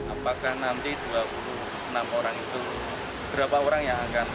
apakah nanti dua puluh enam orang itu berapa orang yang akan